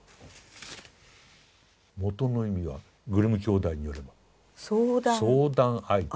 もとの意味はグリム兄弟によれば相談相手。